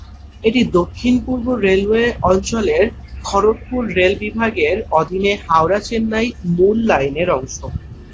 এটি দক্ষিণ পূর্ব রেলওয়ে অঞ্চলের খড়গপুর রেল বিভাগের অধীনে হাওড়া-চেন্নাই মূল লাইনের অংশ।